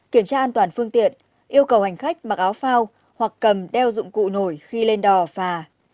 kiểm tra an toàn phương tiện yêu cầu hành khách mặc áo phao hoặc cầm đeo dụng cụ nổi khi lên đò phà